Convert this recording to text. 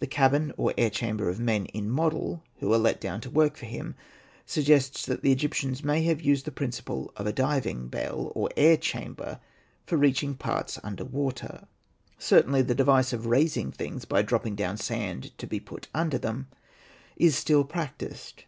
The cabin or air chamber of men in model, who are let down to work for him, suggests that Egyptians may have used the principle of a diving bell or air chamber for reaching parts underwater. Certainly the device of raising things by dropping down sand to be put under them is still practised.